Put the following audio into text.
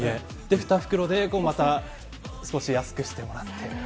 ２袋でまた少し安くしてもらって。